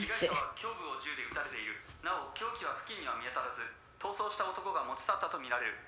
胸部を銃で撃たれているなお凶器は付近には見当たらず逃走した男が持ち去ったとみられるどうぞ。